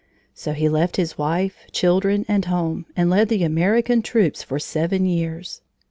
So he left his wife, children, and home, and led the American troops for seven years.